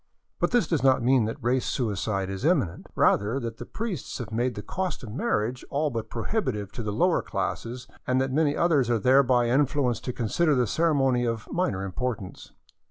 But this does not mean that race suicide is imminent; rather that the priests have made the cost of marriage all but pro hibitive to the lower classes, and that many others are thereby in fluenced to consider the ceremony of minor importance.